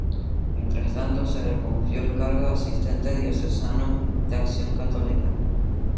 Mientras tanto, se le confió el cargo de asistente diocesano de Acción Católica.